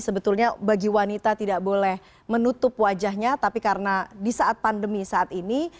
sebetulnya bagi wanita tidak boleh menutup wajahnya tapi karena di saat pandemi saat ini